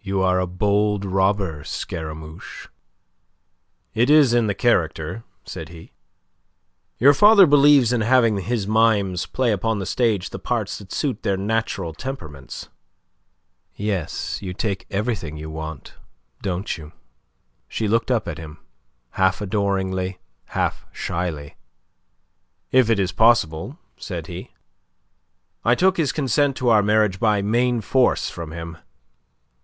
You are a bold robber, Scaramouche." "It is in the character," said he. "Your father believes in having his mimes play upon the stage the parts that suit their natural temperaments." "Yes, you take everything you want, don't you?" She looked up at him, half adoringly, half shyly. "If it is possible," said he. "I took his consent to our marriage by main force from him.